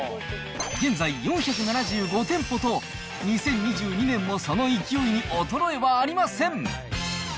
現在４７５店舗と、２０２２年もその勢いに衰えはありません。